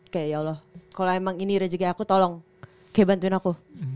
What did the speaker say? kayak ya allah kalau emang ini rezeki aku tolong kayak bantuin aku